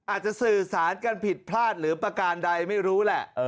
อาจจะสื่อสารกันผิดพลาดหรือประการใดไม่รู้แหละ